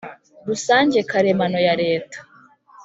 rusange karemano ya Leta